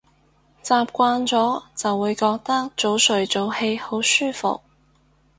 習慣咗就會覺得早睡早起好舒服